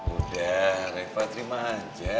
udah reva terima aja